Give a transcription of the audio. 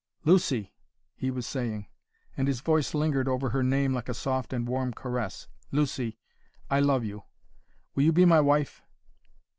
"Lucy!" he was saying, and his voice lingered over her name like a soft and warm caress, "Lucy! I love you. Will you be my wife?"